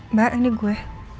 mbak ini gue